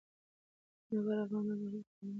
منور افغانان باید دقیق معلومات خپاره کړي.